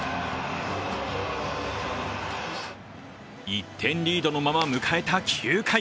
１点リードのまま迎えた９回。